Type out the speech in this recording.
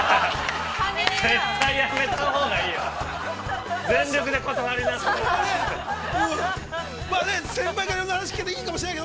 ◆絶対やめたほうがいいよ。